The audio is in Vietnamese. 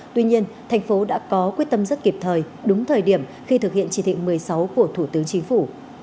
tuy nhiên thành phố đã có quyết tâm rất kịp thời đúng thời điểm khi thực hiện chỉ thị một mươi sáu của thủ tướng chính phủ